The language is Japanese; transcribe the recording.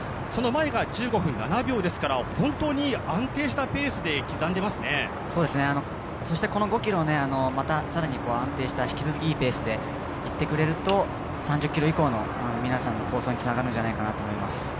その前が１５分７秒ですから本当に安定したペースでそしてこの５ｋｍ、更に安定した引き続きいいペースでいってくれると３０ｋｍ以降の皆さんの好走につながるんじゃないかなと思います。